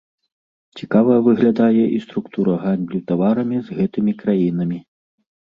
Цікава выглядае і структура гандлю таварамі з гэтымі краінамі.